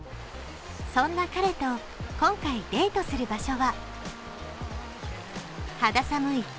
そんな彼と今回、デートする場所は肌寒い